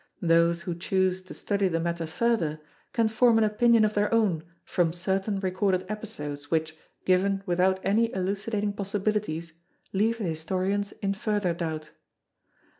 Those who choose to study the matter further can form an opinion of their own from certain recorded episodes which, given without any elucidating possibilities leave the historians in further doubt.